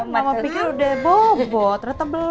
mama pikir udah bobo ternyata belum